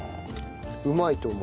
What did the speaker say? うまいと思う。